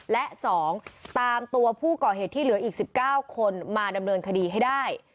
และ๒ตามตัวผู้ก่อเหตุที่เหลืออีก๑๙คนมาดำเนินคดีให้ได้